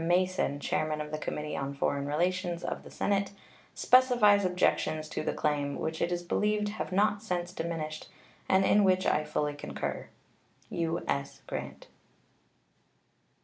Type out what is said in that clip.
Mason, chairman of the Committee on Foreign Relations of the Senate, specifies objections to the claim, which it is believed have not since diminished, and in which I fully concur. U.S. GRANT.